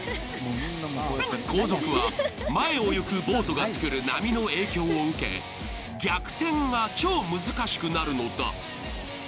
後続は前をゆくボートが作る波の影響を受け逆転が超難しくなるのだ。